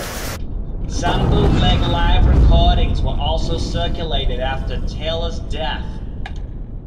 Some bootleg live recordings were also circulated after Taylor's death.